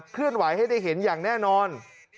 เคลื่อนไหวให้ได้เห็นอย่างแน่นอน